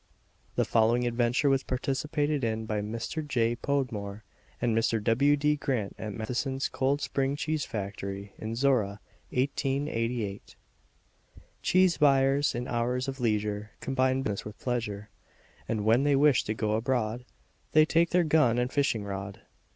The following adventure was participated in by Mr. J. Podmore and Mr. W. D. Grant at Matheson's Cold Spring Cheese Factory in Zorra, 1888. Cheese buyers in hours of leisure Combine business with pleasure, And when they wish to go abroad They take their gun and fishing rod.